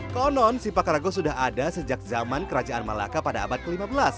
konon sipakarago sudah ada sejak zaman kerajaan malaka pada abad ke lima belas